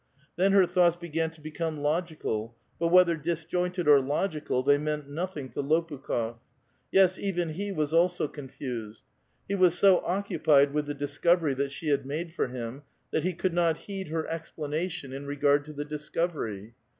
Then her thoughts began to become logical, but, whether disjointed or logical, they meant nothing to Lopnkh6f. Yes, even he was also confused. He was so occupied with the discovery that she had made for him that he could not heed her explanation 108 A VITAL QUESTION. in rcfranl to the discovery.